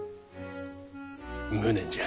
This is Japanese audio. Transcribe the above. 無念じゃ。